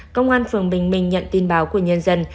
công an phường bình minh nhận tin báo của nhân dân